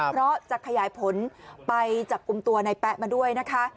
เพราะจะขยายผลไปจับกลุ่มตัวในแป๊ะมาด้วยนะคะ